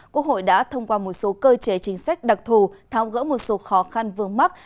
quốc hội đã thông qua một số cơ chế chính sách đặc thù tháo gỡ một số khó khăn vương mắc